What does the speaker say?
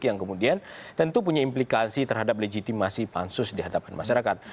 yang kemudian tentu punya implikasi terhadap legitimasi pansus di hadapan masyarakat